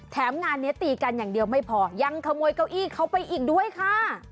งานนี้ตีกันอย่างเดียวไม่พอยังขโมยเก้าอี้เขาไปอีกด้วยค่ะ